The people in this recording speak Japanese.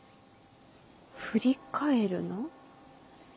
「振り返るな」？